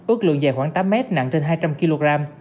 ước lượng dài khoảng tám mét nặng trên hai trăm linh kg